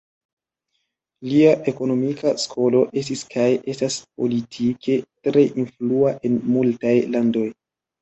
Lia ekonomika skolo estis kaj estas politike tre influa en multaj landoj.